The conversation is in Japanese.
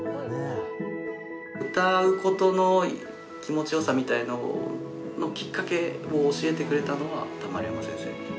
歌う事の気持ち良さみたいなもののきっかけを教えてくれたのは。